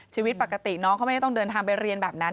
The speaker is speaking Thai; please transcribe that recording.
ชีวิตปกติน้องเขาไม่ได้ต้องเดินทางไปเรียนแบบนั้น